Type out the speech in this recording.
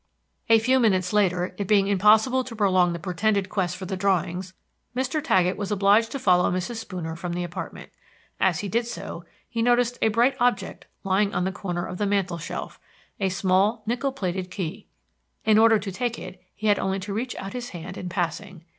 A few minutes later, it being impossible to prolong the pretended quest for the drawings, Mr. Taggett was obliged to follow Mrs. Spooner from the apartment. As he did so he noticed a bright object lying on the corner of the mantel shelf, a small nickel plated key. In order to take it he had only to reach out his hand in passing.